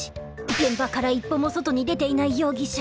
現場から一歩も外に出ていない容疑者。